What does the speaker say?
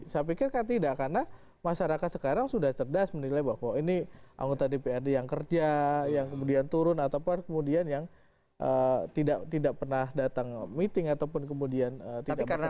saya pikir kan tidak karena masyarakat sekarang sudah cerdas menilai bahwa ini anggota dprd yang kerja yang kemudian turun ataupun kemudian yang tidak pernah datang meeting ataupun kemudian tidak merasa